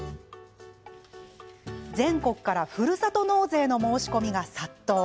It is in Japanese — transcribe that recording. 全国から、ふるさと納税の申し込みが殺到。